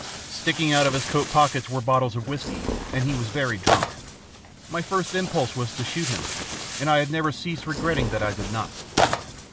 Sticking out of his coat pockets were bottles of whiskey, and he was very drunk. My first impulse was to shoot him, and I have never ceased regretting that I did not.